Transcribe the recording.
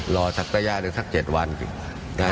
รอสักสักยาหรือสักเจ็ดวัน